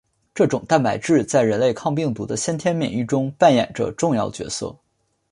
这种蛋白质在人类抗病毒的先天免疫中扮演着重要角色。